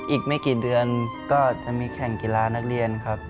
อีกไม่กี่เดือนก็จะมีแข่งกีฬานักเรียนครับ